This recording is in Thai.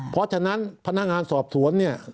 เพราะฉะนั้นพนักงานสอบสวน